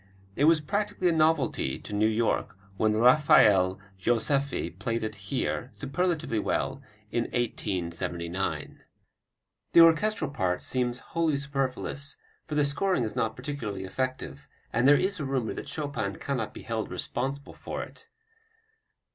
It was practically a novelty to New York when Rafael Joseffy played it here, superlatively well, in 1879. The orchestral part seems wholly superfluous, for the scoring is not particularly effective, and there is a rumor that Chopin cannot be held responsible for it.